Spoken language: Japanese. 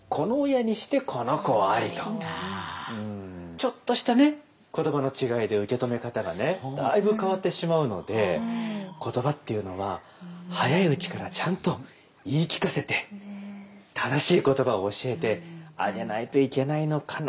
ちょっとしたね言葉の違いで受け止め方がねだいぶ変わってしまうので言葉っていうのは早いうちからちゃんと言い聞かせて正しい言葉を教えてあげないといけないのかなというのがですね